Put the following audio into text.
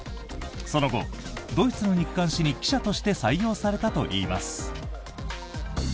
その後、ドイツの日刊紙に記者として採用されたといいます。